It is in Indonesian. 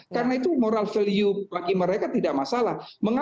karena itu moral value bagi mereka tidak masalah